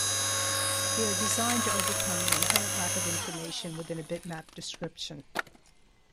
They are designed to overcome the inherent lack of information within a bitmap description.